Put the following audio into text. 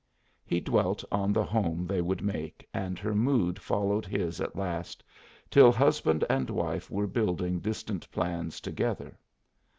He dwelt on the home they would make, and her mood followed his at last, till husband and wife were building distant plans together.